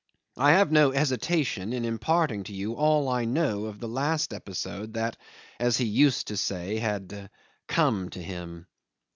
I have no hesitation in imparting to you all I know of the last episode that, as he used to say, had "come to him."